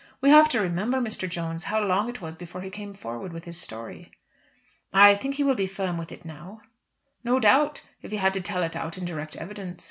We have to remember, Mr. Jones, how long it was before he came forward with his story." "I think he will be firm with it now." "No doubt, if he had to tell it out in direct evidence.